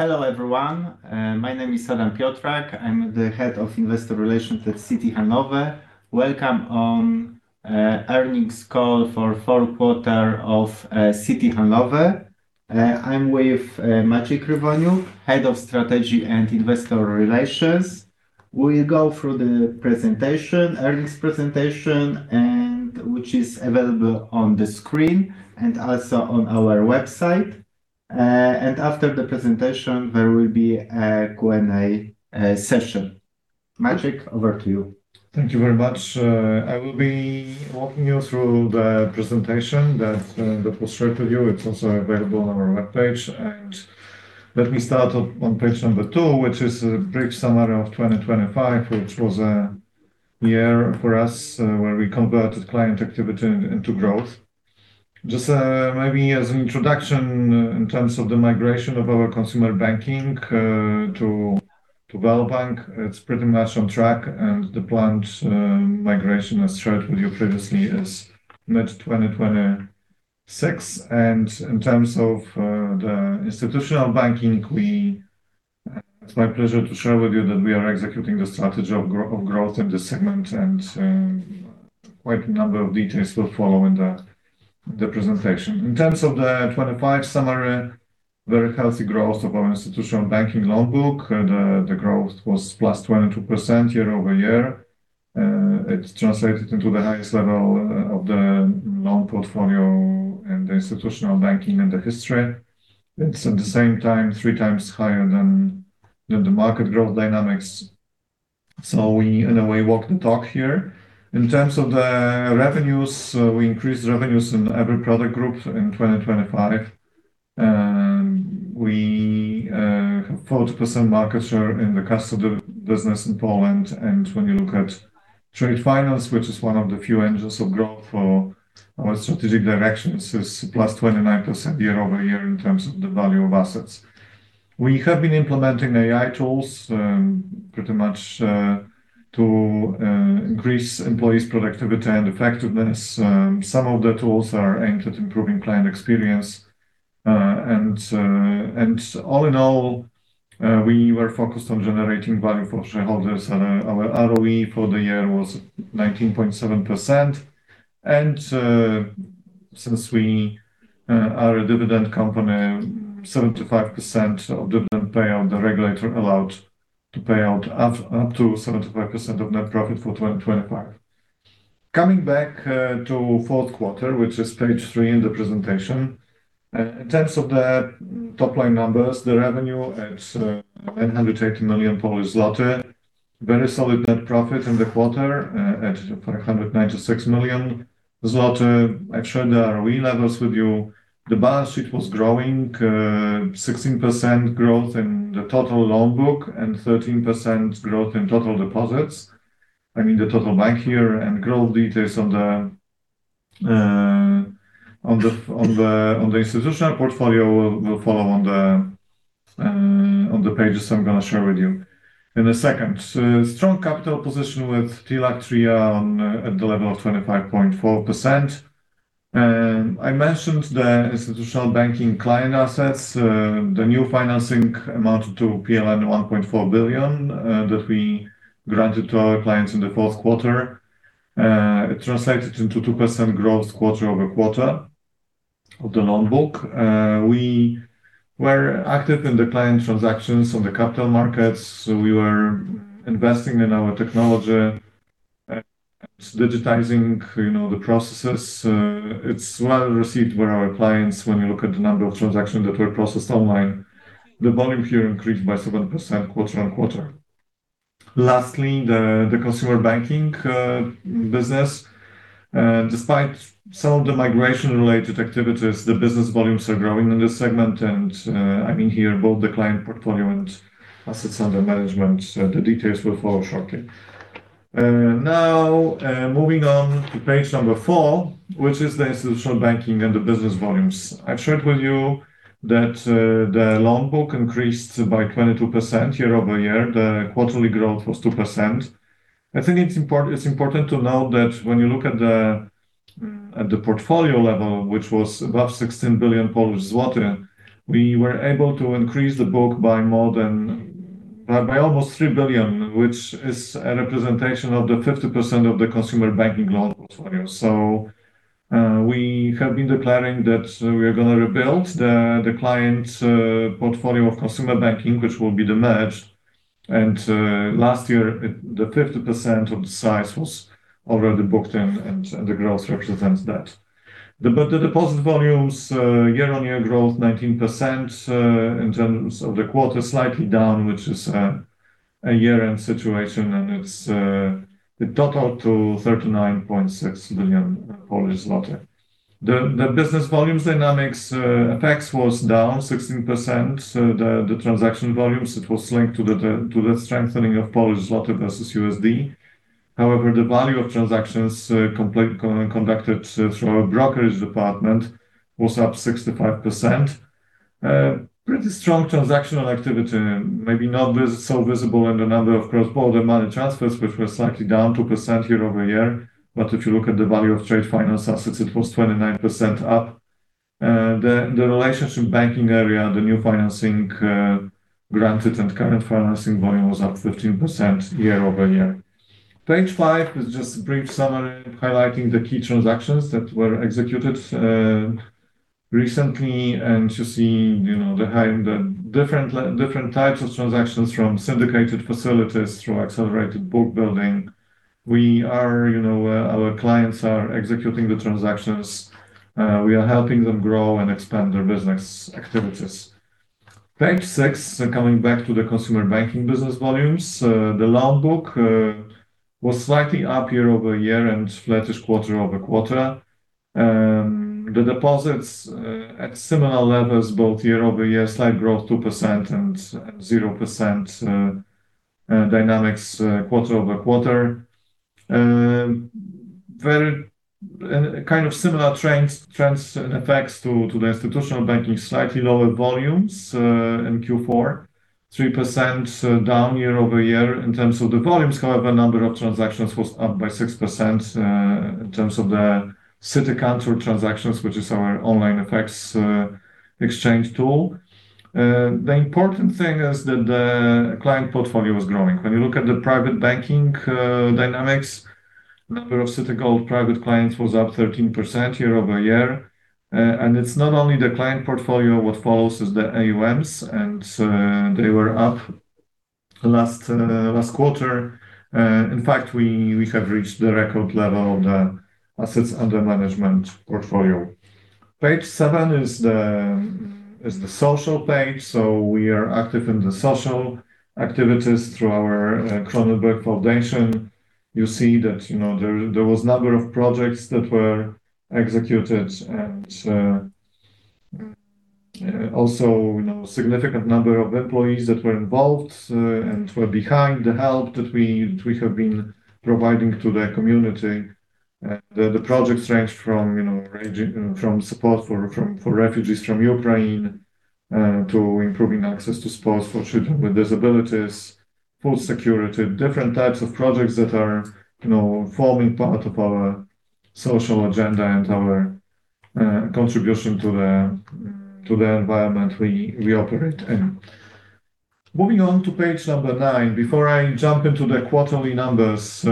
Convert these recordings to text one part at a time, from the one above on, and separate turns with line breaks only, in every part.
Hello, everyone. My name is Adam Piotrak. I'm the Head of Investor Relations at Citi Handlowy. Welcome to the earnings call for the fourth quarter of Citi Handlowy. I'm with Maciej Krywoniuk, Head of Strategy and Investor Relations. We'll go through the earnings presentation, which is available on the screen and also on our website. After the presentation, there will be a Q&A session. Maciej, over to you.
Thank you very much. I will be walking you through the presentation that was shared with you. It's also available on our webpage. Let me start on page number 2, which is a brief summary of 2025, which was a year for us where we converted client activity into growth. Just maybe as an introduction in terms of the migration of our consumer banking to VeloBank, it's pretty much on track and the planned migration as shared with you previously is mid-2026. In terms of the institutional banking, it's my pleasure to share with you that we are executing the strategy of growth in this segment, and quite a number of details will follow in the presentation. In terms of the 2025 summary, very healthy growth of our institutional banking loan book. The growth was +22% YoY. It's translated into the highest level of the loan portfolio in institutional banking in history. It's at the same time 3x higher than the market growth dynamics. We, in a way, walk the talk here. In terms of the revenues, we increased revenues in every product group in 2025. We have 40% market share in the custody business in Poland. When you look at trade finance, which is one of the few engines of growth for our strategic direction, it's +29% YoY in terms of the value of assets. We have been implementing AI tools pretty much to increase employees' productivity and effectiveness. Some of the tools are aimed at improving client experience. All in all, we were focused on generating value for shareholders. Our ROE for the year was 19.7%. Since we are a dividend company, 75% of dividend payout, the regulator allowed to pay out up to 75% of net profit for 2025. Coming back to fourth quarter, which is page 3 in the presentation. In terms of the top-line numbers, the revenue, it's 880 million Polish zloty. Very solid net profit in the quarter at 496 million zloty. I've shared the ROE levels with you. The balance sheet was growing, 16% growth in the total loan book and 13% growth in total deposits. I mean, the total bank here and growth details on the institutional portfolio will follow on the pages I'm gonna share with you in a second. Strong capital position with TLAC at the level of 25.4%. I mentioned the institutional banking client assets. The new financing amounted to PLN 1.4 billion that we granted to our clients in the fourth quarter. It translated into 2% growth quarter-over-quarter of the loan book. We were active in the client transactions on the capital markets, so we were investing in our technology and digitizing, you know, the processes. It's well received by our clients when you look at the number of transactions that were processed online. The volume here increased by 7% QoQ. Lastly, the consumer banking business. Despite some of the migration-related activities, the business volumes are growing in this segment, and I mean here both the client portfolio and assets under management. The details will follow shortly. Now, moving on to page number 4, which is the institutional banking and the business volumes. I've shared with you that the loan book increased by 22% YoY. The quarterly growth was 2%. I think it's important to note that when you look at the portfolio level, which was above 16 billion Polish zloty, we were able to increase the book by almost 3 billion, which is a representation of the 50% of the consumer banking loan portfolio. We have been declaring that we are gonna rebuild the client portfolio of consumer banking, which will be the merger. Last year the 50% of the size was already booked in and the growth represents that. The deposit volumes year-on-year growth 19%, in terms of the quarter, slightly down, which is a year-end situation, and it totals to 39.6 billion Polish zloty. The business volume dynamics, FX was down 16%. The transaction volumes it was linked to the strengthening of Polish złoty versus USD. However, the value of transactions conducted through our brokerage department was up 65%. Pretty strong transactional activity. Maybe not so visible in the number of cross-border money transfers, which were slightly down 2% YoY. If you look at the value of trade finance assets, it was 29% up. The relationship banking area, the new financing granted and current financing volume was up 15% YoY. Page five is just a brief summary highlighting the key transactions that were executed recently. You see, you know, behind the different different types of transactions from syndicated facilities through accelerated book building. We are, you know, our clients are executing the transactions. We are helping them grow and expand their business activities. Page six, coming back to the consumer banking business volumes. The loan book was slightly up year-over-year and flattish quarter-over-quarter. The deposits at similar levels both year-over-year, slight growth 2% and 0% dynamics quarter-over-quarter. Kind of similar trends and effects to the institutional banking, slightly lower volumes in Q4, 3% down year-over-year in terms of the volumes. However, number of transactions was up by 6% in terms of the CitiFX Pulse transactions, which is our online FX exchange tool. The important thing is that the client portfolio is growing. When you look at the private banking dynamics, number of Citigold private clients was up 13% YoY. It's not only the client portfolio, what follows is the AUMs and they were up last quarter. In fact, we have reached the record level of the assets under management portfolio. Page 7 is the social page. We are active in the social activities through our Kronenberg Foundation. You see that, you know, there was number of projects that were executed and also, you know, significant number of employees that were involved and were behind the help that we have been providing to the community. The projects range from support for refugees from Ukraine to improving access to sports for children with disabilities, food security, different types of projects that are, you know, forming part of our social agenda and our contribution to the environment we operate in. Moving on to page number 9. Before I jump into the quarterly numbers,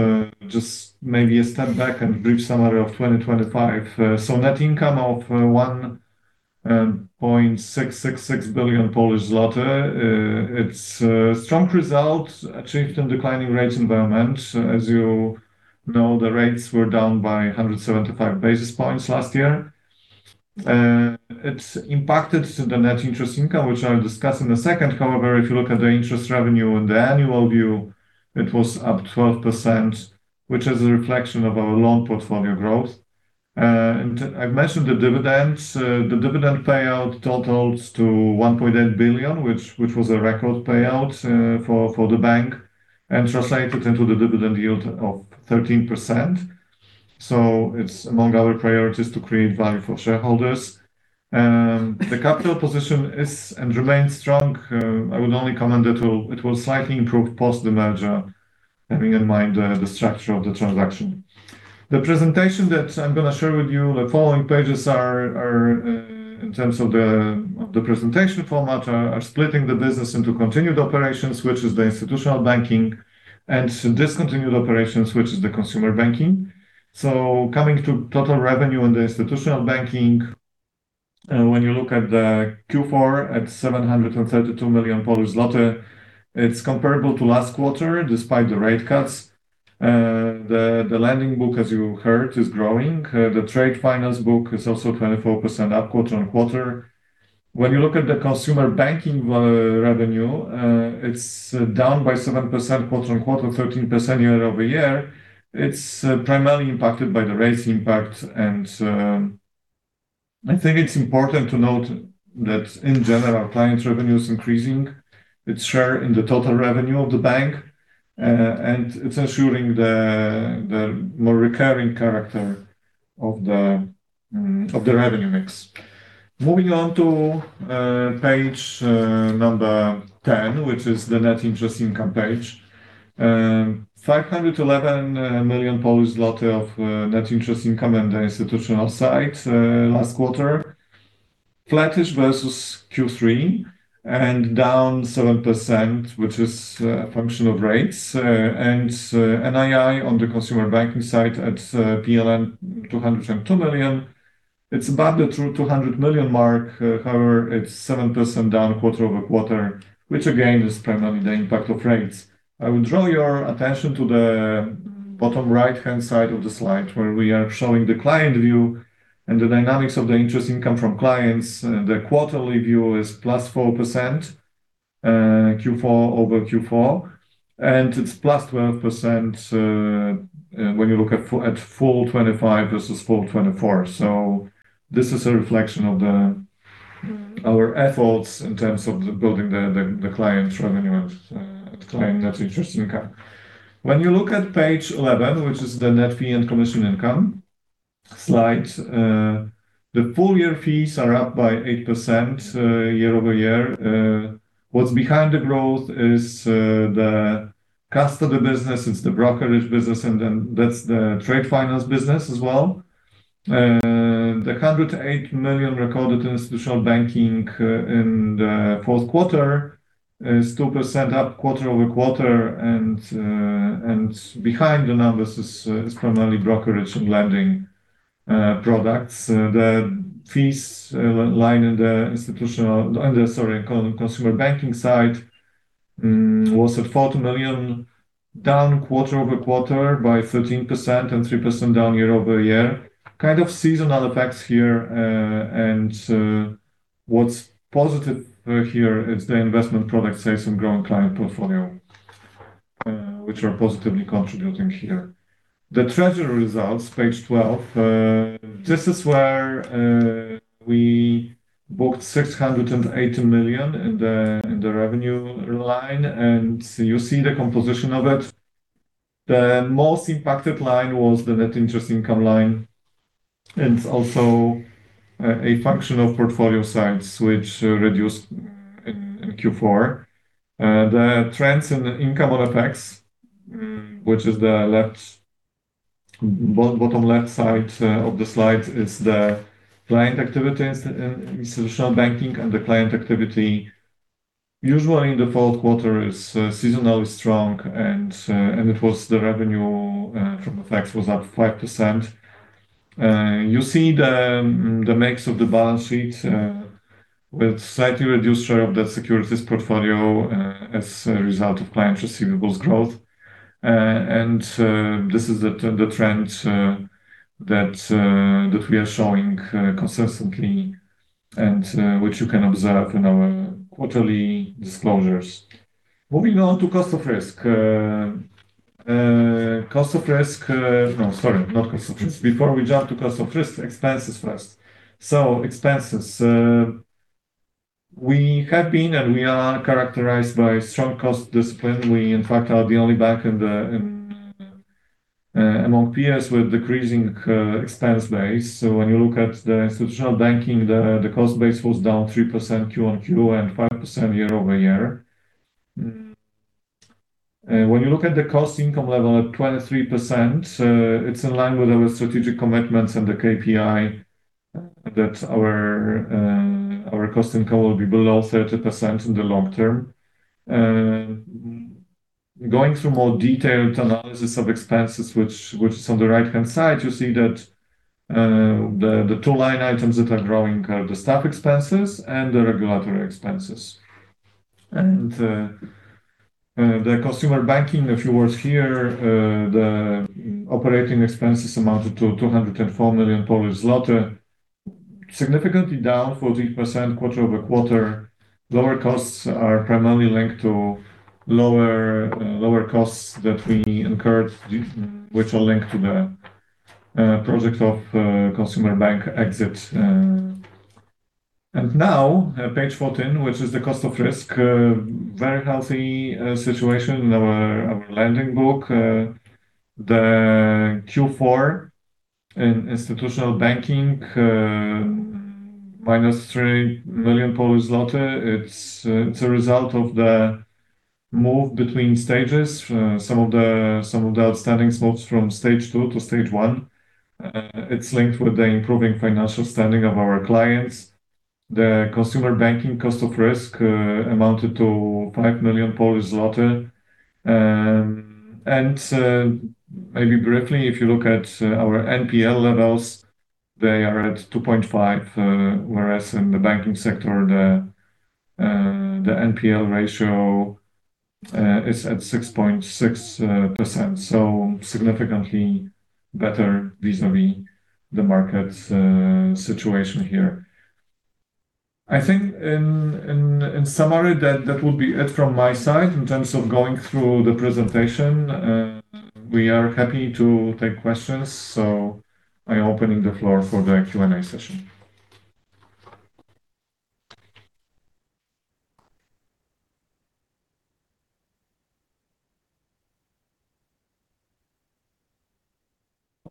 just maybe a step back and brief summary of 2025. Net income of 1.666 billion Polish zloty. It's a strong result achieved in declining rates environment. As you know, the rates were down by 175 basis points last year. It's impacted to the net interest income, which I'll discuss in a second. However, if you look at the interest revenue on the annual view, it was up 12%, which is a reflection of our loan portfolio growth. I've mentioned the dividends. The dividend payout totals to 1.8 billion, which was a record payout for the bank and translated into the dividend yield of 13%. It's among our priorities to create value for shareholders. The capital position is and remains strong. I would only comment it will slightly improve post the merger, having in mind the structure of the transaction. The presentation that I'm gonna share with you, the following pages are in terms of the presentation format splitting the business into continued operations, which is the institutional banking, and discontinued operations, which is the consumer banking. Coming to total revenue in the institutional banking, when you look at the Q4 at 732 million, it's comparable to last quarter despite the rate cuts. The lending book, as you heard, is growing. The trade finance book is also 24% up quarter-on-quarter. When you look at the consumer banking revenue, it's down by 7% QoQ, 13% YoY. It's primarily impacted by the rates impact. I think it's important to note that in general, clients revenue is increasing its share in the total revenue of the bank, and it's ensuring the more recurring character of the revenue mix. Moving on to page number 10, which is the net interest income page. 511 million of net interest income in the institutional side last quarter. Flattish versus Q3 and down 7%, which is a function of rates, and NII on the consumer banking side at PLN 202 million. It's above the 200 million mark, however, it's 7% down quarter-over-quarter, which again is primarily the impact of rates. I would draw your attention to the bottom right-hand side of the slide, where we are showing the client view and the dynamics of the interest income from clients. The quarterly view is +4%, Q4 over Q4, and it's +12% when you look at full 2025 versus full 2024. This is a reflection of our efforts in terms of building the client revenue and client net interest income. When you look at page 11, which is the net fee and commission income slide, the full-year fees are up by 8% YoY. What's behind the growth is the custody business, it's the brokerage business, and then that's the trade finance business as well. The 108 million recorded in institutional banking in the fourth quarter is 2% up quarter-over-quarter, and behind the numbers is primarily brokerage and lending products. The fees line in the consumer banking side was at 40 million, down quarter-over-quarter by 13% and 3% down year-over-year. Kind of seasonal effects here. What's positive here is the investment product sales and growing client portfolio, which are positively contributing here. The treasury results, page 12. This is where we booked 680 million in the revenue line, and you see the composition of it. The most impacted line was the net interest income line, and also a function of portfolio size which reduced in Q4. The trends in the income on FX, which is the bottom left side of the slide, is the client activity in institutional banking and the client activity usually in the fourth quarter is seasonally strong and it was the revenue from FX was up 5%. You see the mix of the balance sheet with slightly reduced share of debt securities portfolio as a result of client receivables growth. This is the trend that we are showing consistently and which you can observe in our quarterly disclosures. Moving on to cost of risk. Cost of risk. No, sorry, not cost of risk. Before we jump to cost of risk, expenses first. Expenses. We have been and we are characterized by strong cost discipline. We, in fact, are the only bank in the, among peers with decreasing expense base. When you look at the institutional banking, the cost base was down 3% QoQ and 5% YoY. When you look at the cost-to-income level at 23%, it's in line with our strategic commitments and the KPI that our cost-to-income will be below 30% in the long term. Going through more detailed analysis of expenses, which is on the right-hand side, you see that the two line items that are growing are the staff expenses and the regulatory expenses. The consumer banking, a few words here. The operating expenses amounted to 204 million Polish zloty, significantly down 40% QoQ. Lower costs are primarily linked to lower costs that we incurred which are linked to the project of consumer bank exit. Now page fourteen, which is the cost of risk. Very healthy situation in our lending book. The Q4 in institutional banking, minus 3 million Polish zloty, it's a result of the move between stages. Some of the outstanding amounts from Stage 2 to Stage 1. It's linked with the improving financial standing of our clients. The consumer banking cost of risk amounted to 5 million Polish zloty. Maybe briefly, if you look at our NPL levels, they are at 2.5%, whereas in the banking sector the NPL ratio is at 6.6%, so significantly better vis-a-vis the market's situation here. I think in summary, that would be it from my side in terms of going through the presentation. We are happy to take questions, so I'm opening the floor for the Q&A session.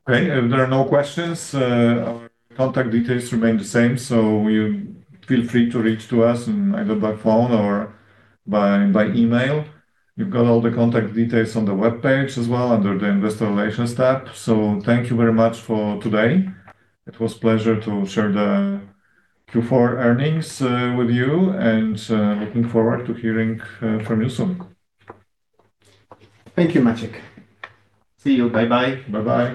Okay. If there are no questions, our contact details remain the same, so you feel free to reach out to us either by phone or by email. You've got all the contact details on the webpage as well under the Investor Relations tab. Thank you very much for today. It was pleasure to share the Q4 earnings with you and looking forward to hearing from you soon.
Thank you, Macie. See you. Bye bye.
Bye bye.